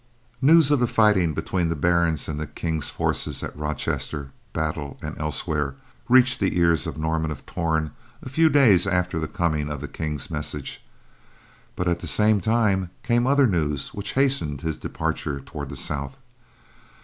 News of the fighting between the barons and the King's forces at Rochester, Battel and elsewhere reached the ears of Norman of Torn a few days after the coming of the King's message, but at the same time came other news which hastened his departure toward the south.